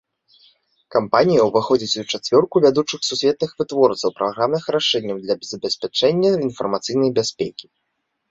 Кампанія ўваходзіць у чацвёрку вядучых сусветных вытворцаў праграмных рашэнняў для забеспячэння інфармацыйнай бяспекі.